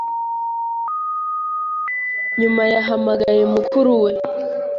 Nyuma yahamagaye mukuru we